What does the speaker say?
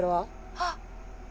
あっ。